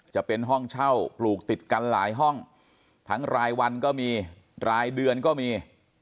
จะเป็นห้องเช่าปลูกติดกันหลายห้องทั้งรายวันก็มีรายเดือนก็มี